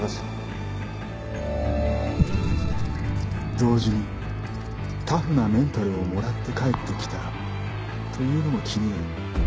同時に「タフなメンタルをもらって帰って来たら」というのも気になる